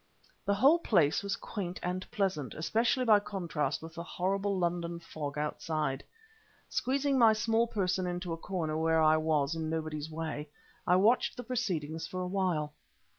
The whole place was quaint and pleasant, especially by contrast with the horrible London fog outside. Squeezing my small person into a corner where I was in nobody's way, I watched the proceedings for a while.